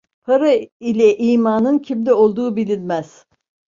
Para ile imanın kimde olduğu bilinmez.